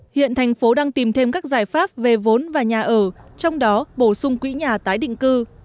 hiện thành phố đang tìm thêm các giải pháp về vốn và nhà ở trong đó bổ sung quỹ nhà tái định cư